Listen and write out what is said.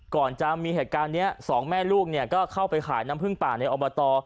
ก่อนจะมีเหตุการณ์นี้สองแม่ลูกเนี่ยก็เข้าไปขายน้ำพึ่งป่าในอบต